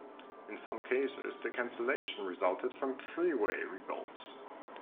In some cases, the cancellation resulted from freeway revolts.